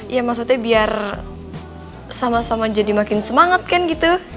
ya maksudnya biar sama sama jadi makin semangat kan gitu